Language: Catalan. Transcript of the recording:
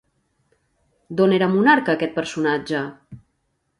D'on era monarca aquest personatge?